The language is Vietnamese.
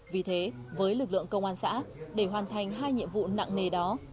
vì thế với lực lượng công an xã để hoàn thành hai nhiệm vụ nặng nề đó